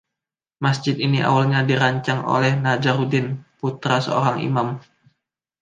Masjid ini awalnya dirancang oleh Nazaruddin, putra seorang imam.